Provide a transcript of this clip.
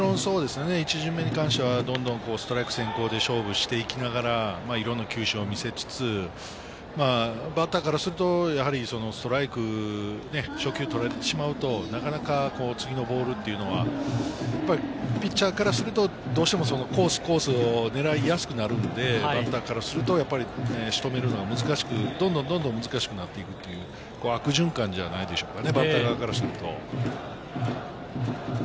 １巡目はストライク先行で勝負しながら、いろんな球種を見せつつ、バッターからすると、やはりストライク、初球を取られてしまうとなかなか次のボールというのはピッチャーからすると、どうしてもコースを狙いやすくなるので、バッターからすると仕留めるのが難しく、どんどん難しくなっていく、悪循環じゃないでしょうか、バッター側からすると。